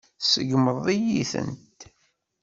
Tseggmeḍ-iyi-tent.